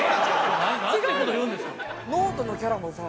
ノートのキャラもさ